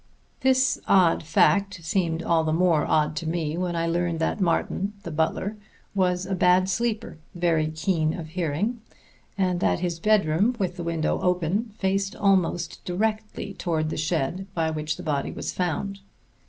This odd fact seemed all the more odd to me when I learned that Martin, the butler, was a bad sleeper, very keen of hearing, and that his bedroom, with the window open, faced almost directly toward the shed by which the body was found.